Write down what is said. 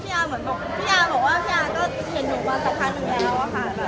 พี่อาร์เหมือนบอกว่าพี่อาร์ก็เห็นหนูมาสักครั้งแล้วค่ะ